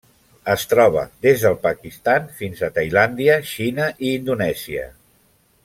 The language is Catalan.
Es troba des del Pakistan fins a Tailàndia, Xina i Indonèsia.